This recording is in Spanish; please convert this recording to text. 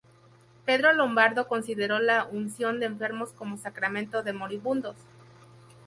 Pedro Lombardo consideró la unción de enfermos como sacramento de moribundos.